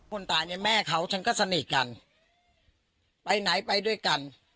คนตายเนี่ยแม่เขาฉันก็สนิทกันไปไหนไปด้วยกัน